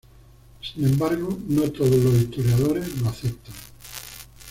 Sin embargo, no todos los historiadores lo aceptan.